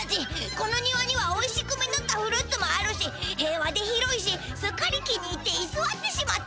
この庭にはおいしく実ったフルーツもあるし平和で広いしすっかり気に入っていすわってしまっただよ。